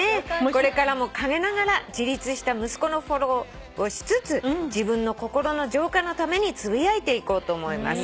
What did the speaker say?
「これからも陰ながら自立した息子のフォローをしつつ自分の心の浄化のためにつぶやいていこうと思います」